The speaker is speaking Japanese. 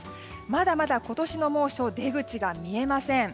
まだまだ今年の猛暑出口が見えません。